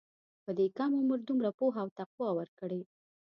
په دې کم عمر دومره پوهه او تقوی ورکړې.